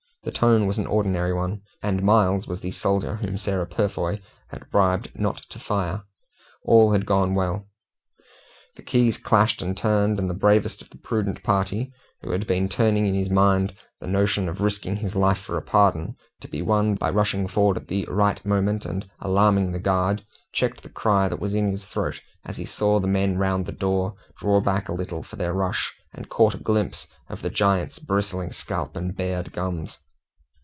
The tone was an ordinary one, and Miles was the soldier whom Sarah Purfoy had bribed not to fire. All had gone well. The keys clashed and turned, and the bravest of the prudent party, who had been turning in his mind the notion of risking his life for a pardon, to be won by rushing forward at the right moment and alarming the guard, checked the cry that was in his throat as he saw the men round the door draw back a little for their rush, and caught a glimpse of the giant's bristling scalp and bared gums.